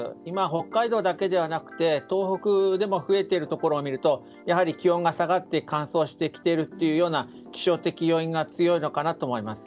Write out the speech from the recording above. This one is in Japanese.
北海道だけではなくて東北でも増えているところを見るとやはり気温が下がって乾燥してきているというような気象的要因が強いのかなと思います。